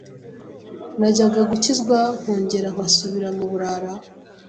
najyaga gukizwa nkongera nkasubira mu burara